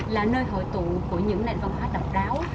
là nơi hội tụ của những nền văn hóa độc đáo